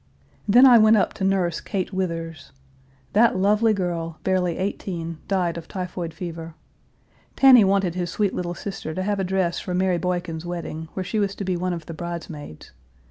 Then I went up to nurse Kate Withers. That lovely girl, barely eighteen, died of typhoid fever. Tanny wanted his sweet little sister to have a dress for Mary Boykin's wedding, where she was to be one of the bridesmaids.